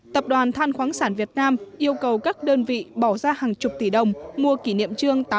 tập đoàn than khoáng sản việt nam yêu cầu các đơn vị bỏ ra hàng chục tỷ đồng mua kỷ niệm trương